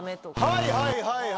はいはいはい。